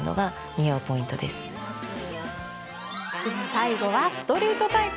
最後はストレートタイプ。